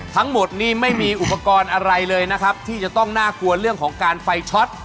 ทั้งหมดนี้ไม่มีอุปกรณ์อะไรเลยนะครับที่จะต้องน่ากลัวเรื่องของการไฟช็อต